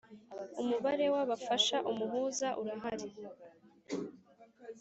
Umubare wa bafasha umuhuza urahari